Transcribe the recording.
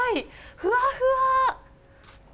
ふわふわー。